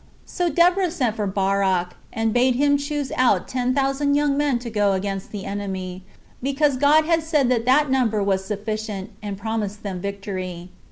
3. So Deborah sent for Barak, and bade him choose out ten thousand young men to go against the enemy, because God had said that that number was sufficient, and promised them victory.